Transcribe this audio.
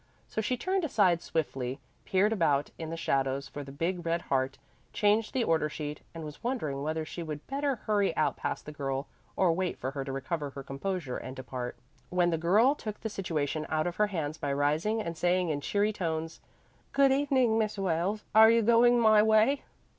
So she turned aside swiftly, peered about in the shadows for the big red heart, changed the order sheet, and was wondering whether she would better hurry out past the girl or wait for her to recover her composure and depart, when the girl took the situation out of her hands by rising and saying in cheery tones, "Good evening, Miss Wales. Are you going my way?"